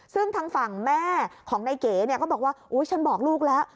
ซึ่งทางฝั่งแม่ของนายเก๋เนี่ยก็บอกว่าอุ๊ยฉันบอกลูกแล้ว